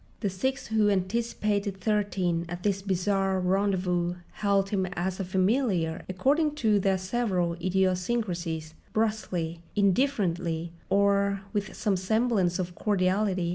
The six who had anticipated Thirteen at this bizarre rendezvous hailed him as a familiar, according to their several idiosyncrasies, brusquely, indifferently, or with some semblance of cordiality.